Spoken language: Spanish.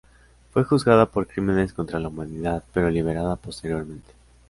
Fue juzgada por crímenes contra la humanidad, pero liberada posteriormente.